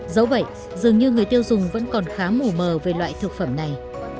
dẫu vậy dường như người tiêu dùng vẫn còn khá mù mờ về loại thực phẩm này